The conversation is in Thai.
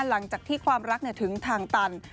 หลังจากที่ความรักถึงทางตัน